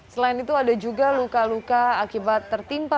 selain itu ada juga luka luka akibat tertimpa